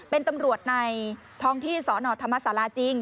เป็นตำรวจในท้องที่สนธรรมศาลาจริง